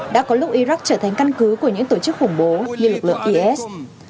đã có lúc iraq trở thành căn cứ của những tổ chức khủng bố như lực lượng is